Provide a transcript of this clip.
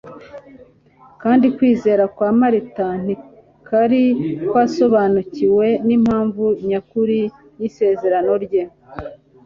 kandi kwizera kwa Marita ntikari kwasobanukiwe n'impamvu nyakuri y'isezerano rye.